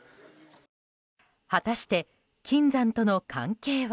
果たして金山との関係は？